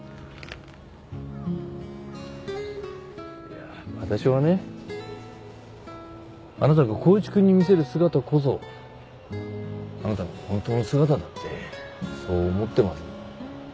いや私はねあなたが光一くんに見せる姿こそあなたの本当の姿だってそう思ってます。